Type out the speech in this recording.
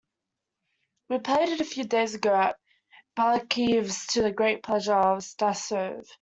We played it a few days ago at Balakirev's-to the great pleasure of Stassov.